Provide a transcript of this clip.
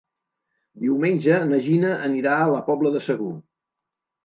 Diumenge na Gina anirà a la Pobla de Segur.